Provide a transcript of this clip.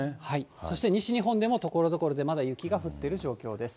そして西日本でもところどころでまだ雪が降ってる状況です。